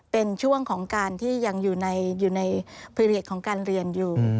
เป็นช่วงของการที่ยังอยู่ในพรีเวทของการเรียนอยู่